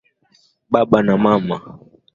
Baba na mama.